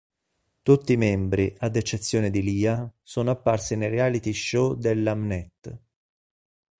Tutti i membri, ad eccezione di Lia, sono apparsi nei reality show della Mnet.